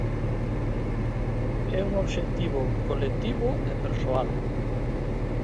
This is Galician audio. E un obxectivo colectivo e persoal.